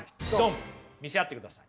見せ合ってください。